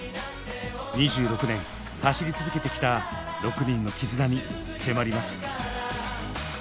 ２６年走り続けてきた６人の絆に迫ります。